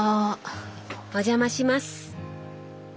お邪魔します。